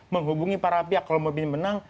menghubungi para pihak kalau mau menang